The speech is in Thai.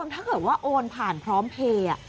ถ้าเกิดว่าโอนผ่านพร้อมเพลย์